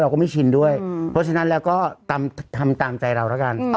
ก็ไม่ชินด้วยเพราะฉะนั้นแล้วก็ทำตามใจเราแล้วกัน